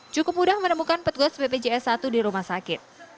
cukup mudah menemukan petugas bpjs satu di rumah sakit